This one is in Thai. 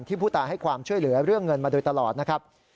ผู้ตายให้ความช่วยเหลือเรื่องเงินมาโดยตลอดนะครับ